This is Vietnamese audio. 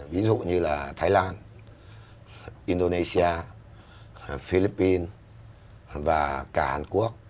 ví dụ như là thái lan indonesia philippines và cả hàn quốc